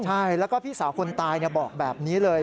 ใช่แล้วก็พี่สาวคนตายบอกแบบนี้เลย